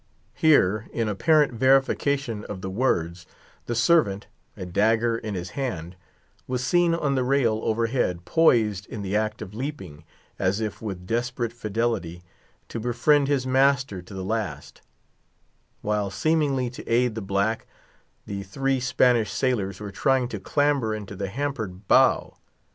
Here, in apparent verification of the words, the servant, a dagger in his hand, was seen on the rail overhead, poised, in the act of leaping, as if with desperate fidelity to befriend his master to the last; while, seemingly to aid the black, the three white sailors were trying to clamber into the hampered bow.